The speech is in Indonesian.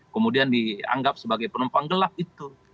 kemudian dianggap sebagai penumpang gelap itu